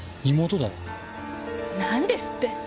何ですって！？